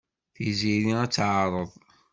Tiziri ad t-teɛreḍ.